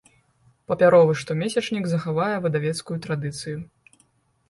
Папяровы штомесячнік захавае выдавецкую традыцыю.